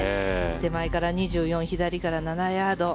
手前から２４、左から７ヤード。